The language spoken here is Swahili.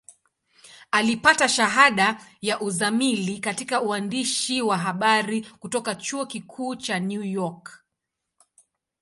Alipata shahada ya uzamili katika uandishi wa habari kutoka Chuo Kikuu cha New York.